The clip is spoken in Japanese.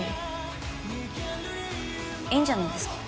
いいんじゃないですか。